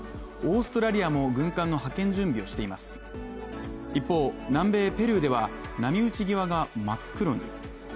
オーストラリアも軍艦の派遣準備をしています一方、南米ペルーでは波打ち際が真っ黒に。